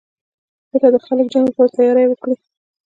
په پټه د جنګ لپاره تیاری وکړئ.